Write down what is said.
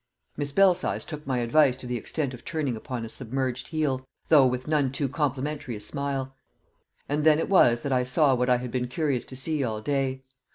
Miss Belsize took my advice to the extent of turning upon a submerged heel, though with none too complimentary a smile; and then it was that I saw what I had been curious to see all day.